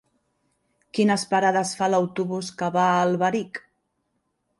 Quines parades fa l'autobús que va a Alberic?